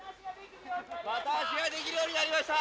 バタ足ができるようになりました。